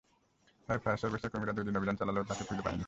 পরে ফায়ার সার্ভিসের কর্মীরা দুই দিন অভিযান চালালেও তাঁকে খুঁজে পাননি।